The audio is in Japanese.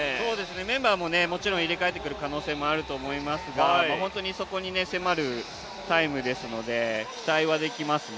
メンバーももちろん入れ替えてくる可能性があると思いますが本当にそこに迫るタイムですので、期待はできますね。